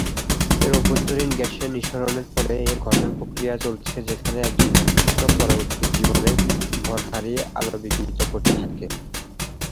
এর অভ্যন্তরীন গ্যাসের নিঃসরণের ফলে এর গঠন প্রক্রিয়া চলছে যেখানে একজন নক্ষত্র পরবর্তী জীবনে ভর হারিয়ে আলো বিকিরিত করতে থাকে।